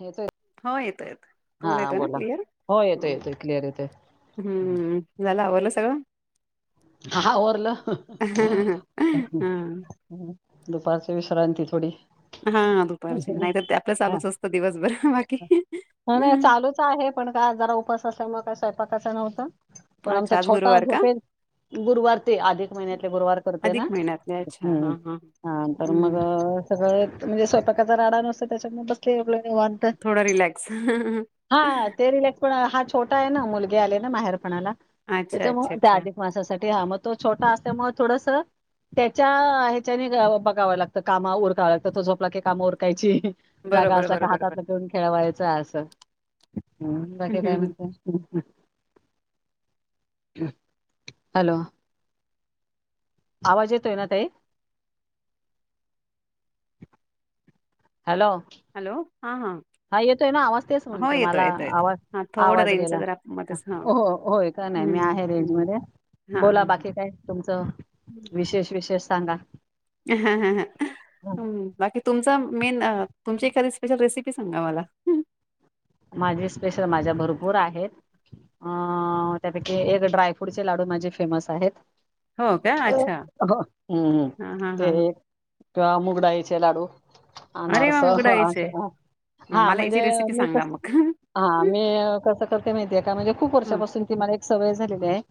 येतोय हो येत तुम्हाला हा बोला येतय हो कआव येतोय येतोय क्लिअर येतोय ह. हा आवरलं. दुपारच्या विश्रांती- थोडी. हा हा दुपारची नाही तर ते आपलं चालूच असतं दिवसभर बाकी ह नाही चालूच आहे, पण काय जरा उपास असल्या मुळं कस? प कसा नव्हता? पण आमचा अच्छा आज छोटा आहे गुरुवार का झोपेल - गुरुवार ते अधिक महिन्यातले गुरुवार करते ना? अधिक महिन्यातले अच्छा हं, हा हा हां तर हम्म मग सगळ म्हणजे स्वतः- डा नसतो त्याच्या [unintelligible] निवांत. थोडं रिलॅक्स हा ते [unintelligible] छोटा आहे ना, मुलगी आली ना माहेरपणाला. अच्छा त्याच्यामुळ अच्छा त्या अच्छा. अधिक हा. मग तो छोटा असल्यामुळे थोडस त्याच्या ह्याच्याने बघाव लागतं काम उरकावं लागत तो झोपला की काम उरकायची. जागा बरोबर असला का बरोबर बर हातातलं करून खेळवायचं असं. हं बाकी काय म्हणत? ह हॅलो. आवाज येतोय ना ताई? हॅलो हॅलो हा हा येतोय ना आवाज तेच हो म्हणते येतो मला येतो येतो आवाज, हा थोडं आवाज रेंजच गेला. जरा मध्येच हा हो होय काय नाही मी हम्म आहे रेंज हम्म मध्ये हा बोला हा बाकी, काय तुमचं विशेष विशेष? सांगा. ह ह बाकी तुमचा मेन- तुमची एखादी स्पेशल रेसिपी सांगा मला. माझी स्पेशल, माझ्या भरपूर आहेत. अ त्यापैकी एक ड्रायफ्रूटचे लाडू माझे फेमस आहेत. हो का? अच्छा. हम्म हां, हां, हां, हां. ते- किंवा मूग डाळीचे लाडू. अरे अनारस वाह! मूग डाळीचे. हां, हा [unintelligible] मला याची म्हणजे रेसिपी मी सांगा कस मग. - हा. मी कसं? कस माहितीये का? म्हणजे खूप हां. वर्षापासून ती मला एक सवय झालेली आहे.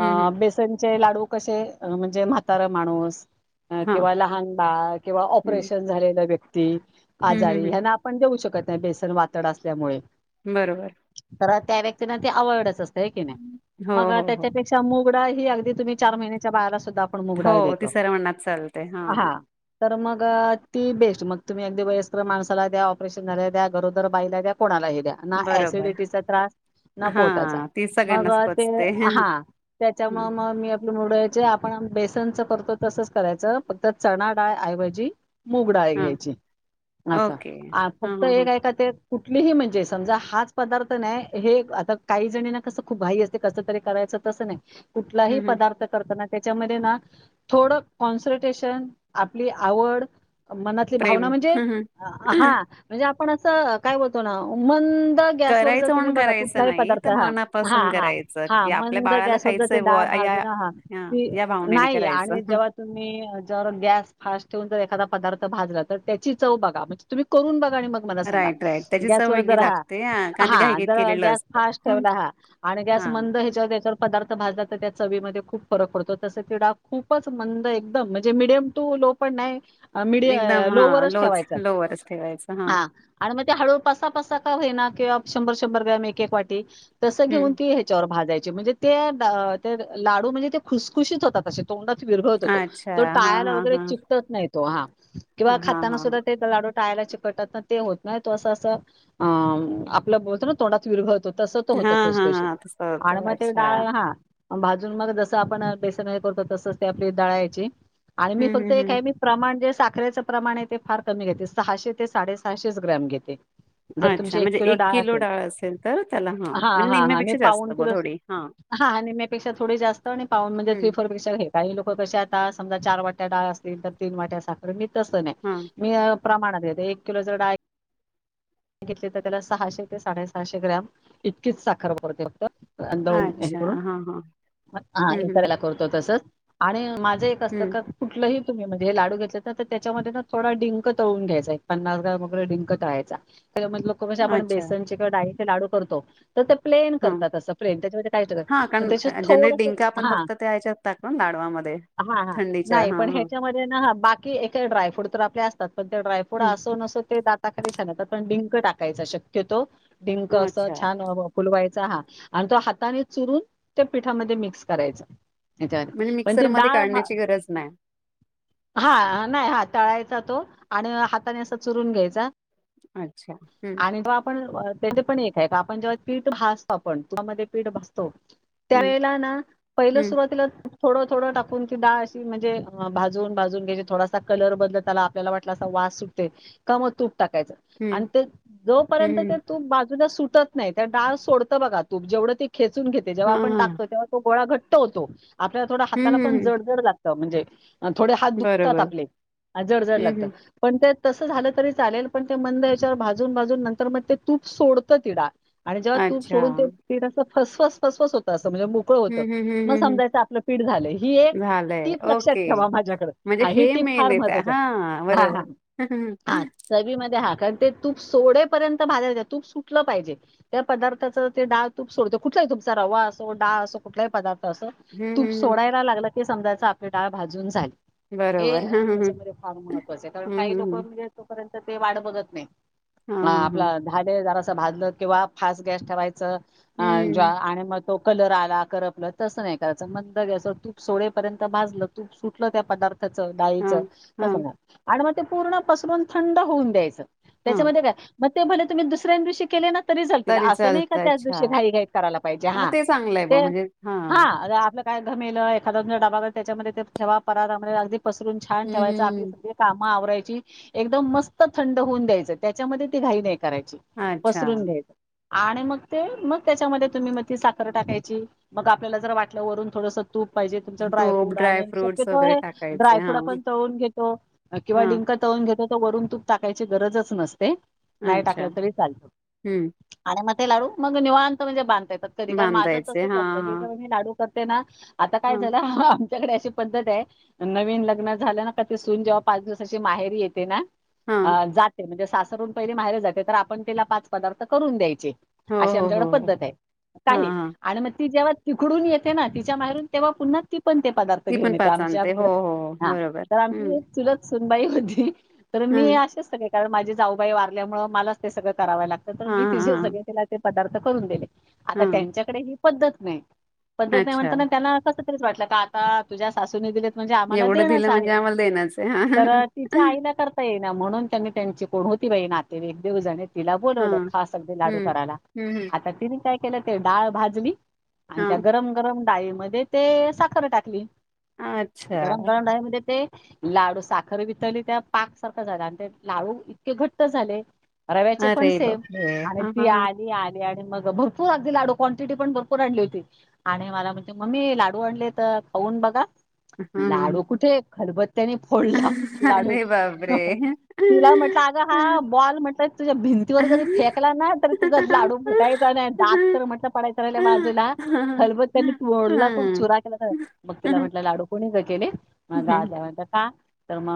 हं, आ हं. बेसनचे लाडू- कसे, म्हणजे म्हातारा माणूस- हां, किंवा लहान बाळ किंवा हं, ऑपरेशन झालेल्या व्यक्ती- ते- हं, हं, आजारी ह्यांना आपण देऊ शकत बेसन वातड असतं- त्यामुळे. बरोबर. तर त्या व्यक्तींना ते आवडच असत होय की नाही हो, मग अ हो, हो. त्याच्यापेक्षा मुग गडाळ ही अगदी तुम्ही चार महिन्याच्या बाळाला सु हो ती सर्व मनात चालतंय हा हो. तर मग ती बेस्ट मग तुम्ही अगदी वयस्कर माणसाला द्या, ऑपरेशन झाल्याला द्या गरोदर बायला द्या. कोणाला ही. ना बरोबर. ऍसिडिटीचा त्रास, ना पोटाचा, हां, ती मग सगळ्यांनाच ते पचते. हं, हा त्याच्यामुळे हां, मग मी आपलं मूग डाळीचे आपण बेस तंचं करतो तसंच करायचं फक्त चणा डाळ ऐवजी मुगडाळ हां, घ्यायची असं ओके. आ हां, फक्त हां, हां. एक आहे का ते मी ही म्हणजे समजा हाच पदार्थ नाही हे एक, आता काही जणींना कसं खूप घाई असते, कसं तरी करायचं तसं नाही. कुठलाही हं, हं. पदार्थ करताना. त्याच्यामध्ये ना थोडं कॉन्स्ट्रेशन आपली आवड. मनातली प्रेम. भावना म्हणजे हं, हं. हा म्हणजे आ पण असं काय बोलतो ना मन् द गॅसवर जर करायचं तुम्ही म्हणून बघा करायचं कुठलाही नाही पदार्थ तर हा, मनापासून हा हा करायचं हा की आपल्या मंद बाळाला गॅसवर जर खायचंय डाळ बुवा या भाजेना हा ती, या भावनेने नाही करायचं आणि जेव्हा तुम्ही ज गॅस फास ठेवून एखादा पदार्थ भाजला तर त्याची चव बघा म्हणजे तुम्ही करून बघ. आणि मग मला सांगा. राईट राईट त्याची चव गॅसवर जर वेगळी ह लागते हा कारण ते हा घाईघाईत जरा केलेलं गॅस असतं फास्ट हं, ठेवला, हा आणि गॅस हा मंद ह्याच्यावर त्याच्यावर पदार्थ भाजला, तर त्या चवीमध्ये खूप फरक पडतो, तसं ती डाळ खूपच मंद एकदम, म्हणजे मिडियम टू लो पण नाही मिडि एकदम हा लोवरच लोच ठेवायचा लो वरच ठेवायचं हा. आणि मग ते हळू पासा पसा का होईना, किंवा शंभर शंभर ग्राम एक एक वाटी. तसं घेऊन हम्म ती ह्याच्यावर भाजाय म्हणजे ते अ लाडू म्हणजे ते खुसखुशीत होतात अशे तोंडात विरघळतो तो अच्छा तो हा टाळ्याला हा वगैरे हा चिकटत नाहीत. [inaudible] हा किंवा खाताना हा सुद्धा ते लाडू टाळ्याला चिकटतात ना ते होत नाही तो असं असं अ आपलं बोलतो ना तोंडात विरघळतो तसं तो होतो हा हा खुशखुशीत हा तसं आणि होतं मग ते अच्छा डाळ हा भाजून मग जसं आपण बेसन हे करतो तसंच ते आपली दळायची. आणि मी हम्म फक्त हम्म हे हम्म काय मी प्रमाण जे साखरेचंप्रमाण आहे ते फार कमी घेते सहाशे ते साडेसहाशे च ग्रॅम घेते. जर तुमची अच्छा एक म्हणजे किलो डाळ असेल तर त्याला हा म्हणजे हा हा मी निम्म्यापेक्षा पा जास्त बुवा किलोा थोडी हा आणि मपेक्षा थोडी जास्त आणि पा म्हणजे हम्म फोर स्पून स्पूनकाही लोक आता समज चार वाट्या डाळ असतील तर तीन वाट्या साखर मी तस नाही हा मी प्रमानात येते एक किलो जर डाळ घेतले तर त्याला सहाशे ते साडेसहाशे ग्रॅम इतकीच साखर पुरते फक्त दळून हे अच्छा हा करून हा हा हम्म हम्म इतरला करतो तसेच आणि माझ असत हम्म कुठलंही म्हणे हे लाडू घेतले ना तर त्याच्यामध्ये थोडा डिंक तळून घ्यायचा एक पन्नास ग्रॅम डिंक तळायचा मधलं कवच आपण अच्छा बेसन ची कडाई [unintelligible] लाडू करतो तर ते प्लेन हा करतात अस प्लेन त्याच्यामध्ये काही हा त्या कारण जनरली थोडस डिंका आपण फक्त त्या ह्याच्यात टाकतो ना लाडवामध्ये हा थंडीच्या नाही हा पण हा ह्याच्यामध्ये बाकी ए ड्रायफ्रूट तर आपल्या पण ते ड्रायफ्रूट हम्म. असो नसो ते दाता करी छान पण डिंक टाकायचा शक्यतो डिंक असं अच्छा छान फुलवायच ह आणि तो हाताने चुरून त्या पिठामध्ये मिक्स करायचा म्हणजे त्याच्यामध्ये पण त मिक्सरमध्ये डाळ काढण्याची गरज नाही हा नाही हा तळाय आणि हाता अस चुरून घ्यायचा अच्छा हम्म आणि तो आपण तेथ पण एक हे का आपण जेव्हा पीठ भाजतो आपण तुपामध्ये पीठ भाजतो त्या हम्म वेळेला ना पहिलं सुरवातीला थोड थोड टाकून ती डाळ अशी म्हणजे भाजून भाजून घ्यायची थोडासा कलर बदलत आला आपल्याला वाटला असा वास सुटते काम होत टाकायच हम्म आणि ते जोपर्यंत हम्म ते हम्म तूप सुटत नाही डाळ सोडत बघा तूप जेवढ ते खेचून घेते जेव्हा हा आपण हा टाकतो तेव्हा गोळा घट होतो आपल्या थोड हाताला हम्म पण हम्म जडजड लागत म्हणजे थोडे हात दुखतात बरोबर आपले जड जड हम्म लागतात हम्म पण ते तस झाल तरी चालेल पण ते मंद आचेवर भाजून भाजून नंतर मग ते तूप सोडत ती डाळ आणि जेव्हा तूप अच्छा सोडून ते हम्म पीठ अस फस फस फस फस होतं अस म्हणजे मोकळं होतं हम्म हम्म मग हम्म हम्म समजायचा आपलं पीठ झालय ही एक झालंय टीप लक्षात ओके ठेवा माझ्याकड म्हणजे ही हे टीप मेन फार येत महत्वाची हा आहे बरोबर हा हम्म हा. हा चवी मध्ये हा कारण ते तूप सोडेपर्यंत भाजायचा तूप सुटलं पाहिजे त्या पदार्थाचा ते डाळ तूप सोडतो कुठलाही तुमचा रवा असो डाळ असो कुठलाही पदार्थ असो हम्म तूप हम्म. सोडायला लागलं ते समजायचा आपली टाळ भाजून झाली. हे बरोबर हा हा हा त्याच्यामध्ये फार महत्त्वाच आहे कारण हम्म काही लोकं हम्म म्हणजे पर्यंत ते वाट बघत नाहीत. हा आपला झालय जरासा चा भाजलत किंवा फास्ट गॅस ठेवायचा अ ज्वा हम्म आणि मग तो कलर आला करपलं तसं नाही करायच मंद गॅस वर तूप सोळेपर्यंत भाजललं तूप सुटलं त्या पदार थाचा हा डाळीचा हा तसं नाही आणि म ते पूर्ण पसरून थंड होऊन द्यायचा हा त्याच्यामध्ये काय म ते भले तुम्ही दुसऱ्यान दिवशी केले ना तरी चालतील असं नाही की चालतं त्याच अच्छा दिवशी घाई-घाई करायला पाहिजे मग हा ते चांगलं आहे बा ते म्हणजे हा अरे आपला काय घमेला एखाद्या डाबा त्याच्यामध्ये ते ठेवा पराता मध्ये अगदी पसरून छान हम्म ठेवायचा आपली हम्म. सगळी काम म आवरायची एकदम मस्त थंड होऊन द्यायच त्याच्यामध्ये ती घाई नाही करायची अच्छा पसरून घ्यायचा आणि मग ते मग त्याच्यामध्ये तुम्ही म ती साखर टाकायची मग आपल्याला जर वाटल्या वरून थोडंसं तूप पाहिजे तुमचं तो ड्रायफ्रूट ड्राय आणि शक्य फ्रूट्स तो वगैरे हे टाकायचे ड्रायफ्रूट हा आपण तळून घेतो किंवा हा डिंक तळून घेतो. वरून तूप टाकायची गरजच नसते. नाही अच्छा. टाकलं तरी चालत हम्म आणि मग ते लाडू मग निवांत म्हणजे बांध देतात कधी काय माझं बांधायचे हा तसचं असतं हेच्यावर हा मी लाडू तर ते ना आता काय हा झाला? त्याच्याकडे अशी पद्धत आहे नवीन लग्न झालं ना का ते सून जेव्हा पाच दिवसशी माहेरी येत ते ना हा अ जाते म्हणजे असे सासरून पहिले माहेर जाते तर आपण त्याला पाच पदार्थ करून द्यायचे. हो अशी हो आमच्याकड हो हो पद्धत आहे, का हा हे हा. आणि मग ती जेव्हा. तिकडून येते ना तिच्या बाहेरून तेव्हा पुन्हा. पण ते पदार्थ ती घेऊन पण येते पाच आमच्या आणते हो हो हो. हा बरोबर तर हम्म आमची चुल. सुनबाई होती. तर मी हम्म असेच सग. कारण माझी जाऊबाई वारल्यामुळे मलाच ते सगळं. कराव लागत तर हा मी तिचे हा हा. सगळे ते लाड. पदार्थ करून देले. आता हा त्यांच्याकडे हे. पद्धत नाही. पद्धत नाही अच्छा म्हणताना त्यांना कस. खरच वाटलं का आता तुझ्या सासूूनि दिलेत. म्हणजे आम्हाला एवढं देणंच दिलं म्हणजे आहे. आम्हाला देणच तर आहे. तिच्या [inaudible] आईला करता म्हणून त्यांनी त्यांची कोण होती बाई नाते वेईक देव जाणे. तिला हा बोलवलं हम्म खास अगदी लाडू करायला हम्म हम्म आता तिने काय. केलं ते डाळ भाजली. आणि त्या गरम-गरम. डाळीमध्ये ते साखर टाकली. हा. अच्छा गरम-गरम डाळी मध्ये ते. लाडू साखर वितली त्यात. पाकसारखा झाला आणि ते लाडू इतके घट्ट झाले. रव्याचे पण अरे सेव बापरे आणि हा ती हा हा आली-आली. मग भरपूर अगदी लाडू क्वांटिटी पण भरपूर आणली होती. आणि मला म्हणजे मम्मी लाडू आणले तर खाऊन बघा. हा हा. लाडू कुठे खलबत. त्यानी फोडला लाडू. अरे बापरे! तिला म्हटलं अग हा बॉल म्हटलंय तुझ्या भिंतीवर जरी फेकला ना, तरी तुझा लाडू फुटायचा नाही दात तर म्हटलं पडायचं राहिल्या बाजूला खलबत त्यांनी तोडला तूप चुरा केला तर मग तिला म्हटलं लाडू. कोणी ज केली. [unintelligible] मा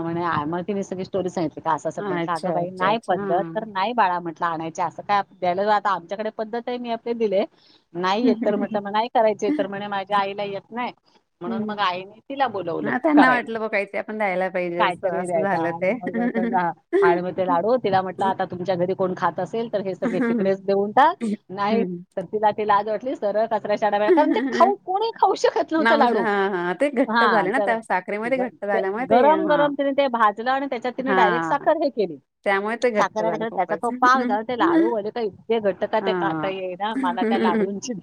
म्ह आमच. ते मि सगळी स्टोरी सांगी. तिथ असं अस म्हटलं अं अच्छा, बाई अच्छा, नाही अच्छा. पद्धत तर हां. नाही बाळा म्हण. आणायचे असं काय द्यालं आता आमच्याकडे पद्धत आहे मी आपले दिले. नाही य तर म्हट मग नाही करायच तर म्हणे माझ्या आईला येत नाही म्हणून मग हं. आईने तिला बोलवलं हां, त्यांना करायला, वाटलं बुवा काहीतरी आपण द्यायला पाहिजे असं, कायतरी असं द्यायचं. झालं आणि ते. मग आणि मग ते लाडू तिला म्हटलं, आता तुमच्या घरी कोण खात असेल, तर हे सगळे तिकडेच देऊन टाक नाही, हं. तर तिला ते लाज वाट सर [unintelligible] चडे [unintelligible] कारण खाऊ कोणी खाऊ शकत नव्हत नाऊ लाडू हां, हां. ते हा घट्ट झाले ना त्या साखरेमध्ये घट्ट झाल्यामुळे ते गरम हां, गरम तेन ते त्याच्यात तिने डायरेक्ट हां. साखर हे केली, त्यामुळे ते घट्ट झालं साखर त्याचा खूपच तो पाक झाला ते लाडूले का इतके घट का ते खाता हा. येईना मला त्या लाडूंची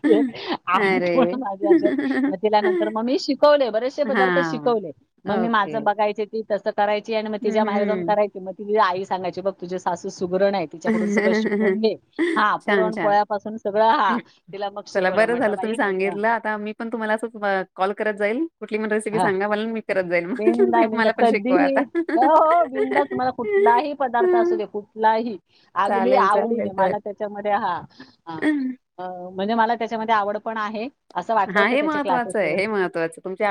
अरे पण [unintelligible] माझेे मग तल्यानंतर मग मी शिक शिकवले बरेचसे पदार्थ हा. शिकवले, मग मी ओके माझं बघायचे ते तस राय [unintelligible] ग त हम्म बाहेर कय मग त [unintelligible] सांगायची बघ, तुझ्या सासु सु छान, हा छान. पुरणपोळ्यापासून सगळं हा तिला मग चला शिकवलं बरं म्हटलं झालं, तुम्ही बाई म्हटलं सांगितलं आता मी पण तुम्हाला अस कॉल करत जाईल, कुठ हा, बेंदा तुम्ही मला बिंदास, पण शिकवा कधीही आता. हो, हो, बिंदास तुम्हाला कुठलाही पदार्थ असू दे, कुठलाही- अगदी चालेल आवडीने, चालेल चालेल. मला त्याच्यामध्ये हा - म्हणजे मला त्याच्यामध्ये आवड पण आहे. असं हा, हे महत्वाचं आहे, हे महत्वाचं आहे, तुमच्या-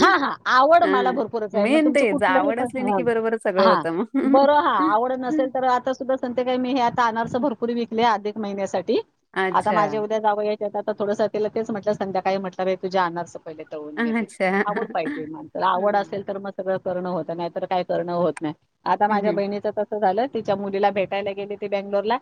हा, हा, आवड हा मला भरपूरच आहे, मग मेन तुमच तेच कुठलंही आवड पण असली ना की बरोबर सगळं हा, होतं मग. बर हा, आवड नसेल तर आता सुद्धा सांगते काय मी हे अनारसे भरपूर विकले, अधिक महिन्यासाठी- आता अच्छा माझे उद्या जावंय आता थोडं तेलाच म्हटलं संध्याकाळी म्हट- तर तूझा आनारस पाहीले तळून घेते, अच्छा आवड पाहिजे, माणसाला आवड हम्म असेल तर मग सगळं करणं होत नाही तर, काय करणं होत नाही. आता माझ्या हम्म. बहिणीच तस अस झालं, तिच्या मुलीला भेटायला गेली ती बेंगलोरला.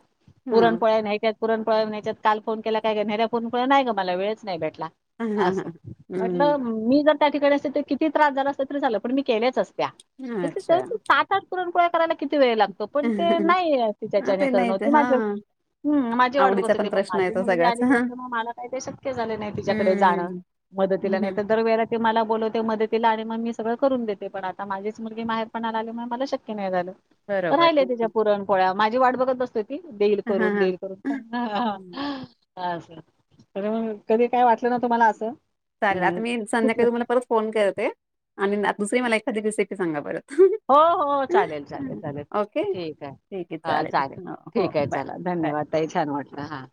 हा पुरण पोळ्या नाही कां पुरण पोळ्या ना च्यात काल फोन केलाय काय ग [unintelligible] पुरण पोळ्या नाही ग मला वेळच नाही भेटला. हा हा असं, हम्म म्हटलं मी जर त्या ठिकाणी असते, त किती त्रास झाला असता, तरी झालं पण मी केल्याच अस हम्म अच्छा. पुरण पोळ्या करायला कि किती वेळ लागतो, पण ते हा नाही तिच्याच्याने ते करण नाही होत. ते ती हा माझी हम्म माझी वाट आवडीचा बघत होती, पण प्रश्न आहे माझी तो मुलगी सगळाच हा आलेली असते, मला काही का शक्य झालं नाही तिच्याकडे जाणं. हम्म मदतीला नाही, हम्म. तर दरवेळे ला ती मला बोलवते मदतीला आणि मगं मी सगळं करून देते, पण आता माझीच मुलगी माहेरपणाला आल्यामुळे मला शक्य नाही झालं. बरोबर राहिल तिच्या हा पुरणपोळ्या माझी वाट बघत बसते. की देईल हा करून हा. देईल करून पण हं. हम्म. अस [unintelligible] मग कधी काय वाटलं ना तुम्हाला असं त. चालेल आता मी संध्याकाळी तुम्हाला परत फोन करते. आणि ना दुसरी मला एखादी रेसपी सांगा बर. हो हो चालेल चालेल चालेल ओके ठीक आहे हा चालेल हो ठीक आहे बाय चाला बाय धन्यवाद ताई छान वाटलं हां.